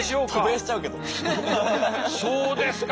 そうですか。